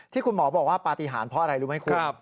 คุณหมอบอกว่าปฏิหารเพราะอะไรรู้ไหมคุณ